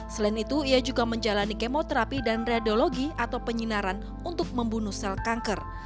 selain itu ia juga menjalani kemoterapi dan radiologi atau penyinaran untuk membunuh sel kanker